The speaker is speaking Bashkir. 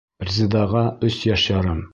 Резедаға өс йәш ярым.